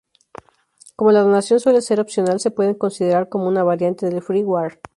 Como la donación suele ser opcional se pueden considerar como una variante del freeware.